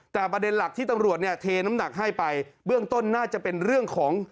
แต่ประเด็นหลักที่ตำรวจเนี่ยเทน้ำหนักให้ไปเบื้องต้นน่าจะเป็นเรื่องของ